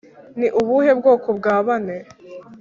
ni ubuhe bwoko bwa bane,